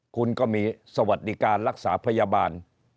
คุณก็มีสวัสดิการรักษาพยาบาล